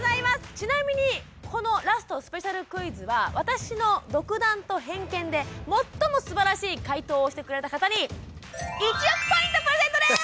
ちなみにこのラストスペシャルクイズは私の独断と偏見で最もすばらしい解答をしてくれた方に１億ポイントプレゼントです！